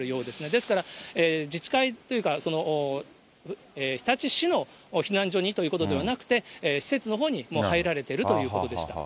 ですから自治会というか、日立市の避難所にということではなくて、施設のほうにもう入られているということでした。